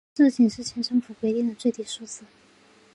这仅是清政府规定的最低数字。